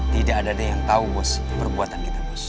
tidak ada deh yang tau bos perbuatan kita